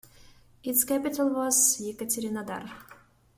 Its capital was Yekaterinodar.